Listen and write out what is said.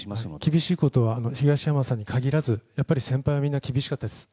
厳しいことは東山さんに限らずやっぱり先輩はみんな厳しかったです。